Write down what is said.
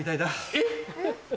えっ？